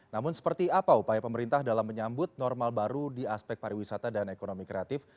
namun seperti apa upaya pemerintah dalam menyambut normal baru di aspek pariwisata dan ekonomi kreatif